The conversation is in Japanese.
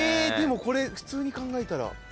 でもこれ普通に考えたら。